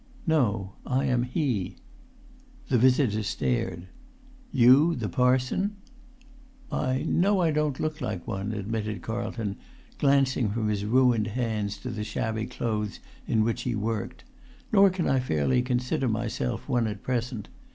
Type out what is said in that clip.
"No, I am he." The visitor stared. "You the parson?" "I know I don't look like one," admitted Carlton, glancing from his ruined hands to the shabby clothes in which he worked; "nor can I fairly consider myself one at present.